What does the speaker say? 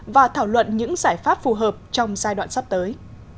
và thảo luận những giải pháp phù hợp trong giai đoạn sắp tới